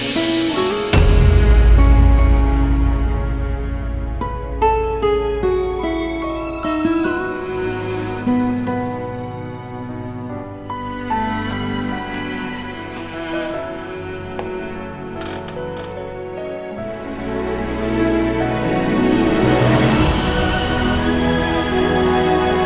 kamu tolong bawa rina masuk ya